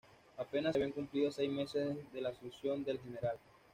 Apenas se habían cumplido seis meses de la asunción del Gral.